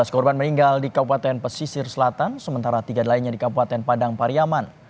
enam belas korban meninggal di kepupaten pesisir selatan sementara tiga lainnya di kepupaten padang pariyaman